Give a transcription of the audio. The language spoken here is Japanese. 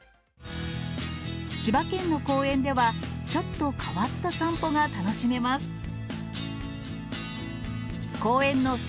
千葉県の公園では、ちょっと変わった散歩が楽しめます。